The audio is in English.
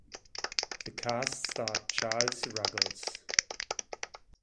The cast starred Charles Ruggles.